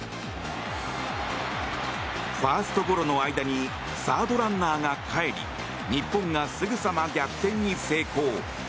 ファーストゴロの間にサードランナーがかえり日本がすぐさま逆転に成功。